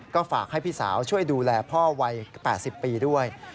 ก็ฝากให้พี่สาวช่วยดูแลพ่อวัย๘๐ปีด้วย